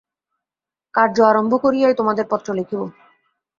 কার্য আরম্ভ করিয়াই তোমাদের পত্র লিখিব।